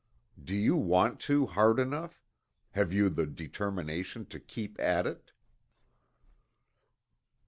Do you want to hard enough have you the determination to keep at it?